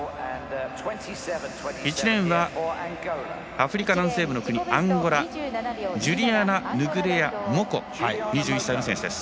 １レーン、アフリカ南西部の国アンゴラのジュリアナヌグレヤ・モコ２１歳の選手です。